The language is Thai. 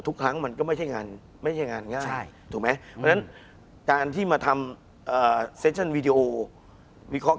คุณผู้ชมบางท่าอาจจะไม่เข้าใจที่พิเตียร์สาร